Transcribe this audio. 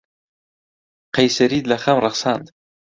قەیسەریت لە خەم ڕەخساند.